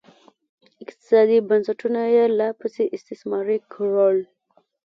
اقتصادي بنسټونه یې لاپسې استثماري کړل